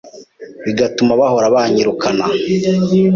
bigatuma bahora banyirukana